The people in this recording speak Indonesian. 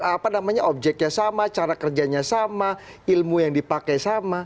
apa namanya objeknya sama cara kerjanya sama ilmu yang dipakai sama